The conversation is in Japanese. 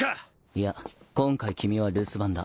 いや今回君は留守番だ。